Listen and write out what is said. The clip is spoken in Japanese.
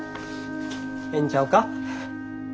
ええんちゃうか。